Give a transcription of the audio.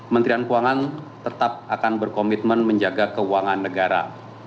menterian keuangan tetap akan berkomitmen menjaga keuangan negara